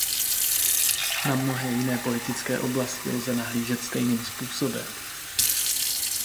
Na mnohé jiné politické oblasti lze nahlížet stejným způsobem.